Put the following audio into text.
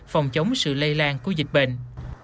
phòng chống sự lây lan của dịch bệnh